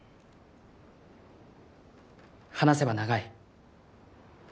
話せば長い